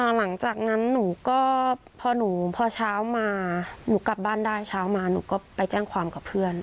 หลังจากนั้นหนูกลับบ้านได้ช้าวมาหนูก็ไปแจ้งความกับเพื่อน